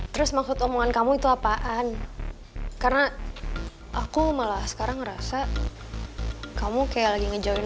terus maksud omongan kamu itu apaan karena aku malah sekarang ngerasa kamu kayak lagi ngejorin